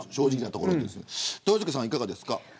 豊崎さん、いかがですか。